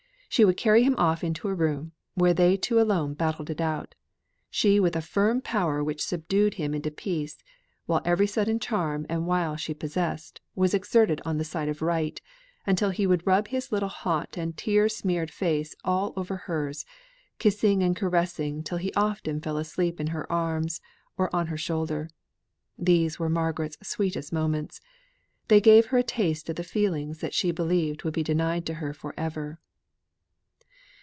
She would carry him off into a room, where they two alone battled it out; she with a firm power which subdued him into peace, while every sudden charm and wile she possessed was exerted on the side of right, until he would rub his little hot and tear smeared face all over hers, kissing and caressing till he often fell asleep in her arms or on her shoulder. Those were Margaret's sweetest moments. They gave her a taste of the feeling that she believed would be denied to her for ever.